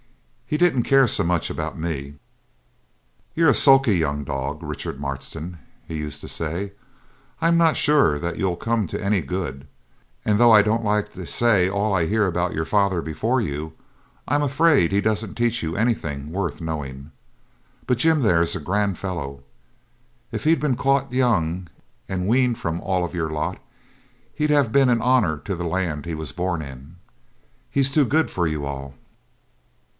He didn't care so much about me. 'You're a sulky young dog, Richard Marston,' he used to say. 'I'm not sure that you'll come to any good; and though I don't like to say all I hear about your father before you, I'm afraid he doesn't teach you anything worth knowing. But Jim there's a grand fellow; if he'd been caught young and weaned from all of your lot, he'd have been an honour to the land he was born in. He's too good for you all.'